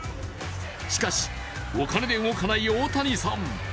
しかし、お金で動かない大谷さん。